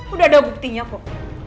udah ada buktinya kok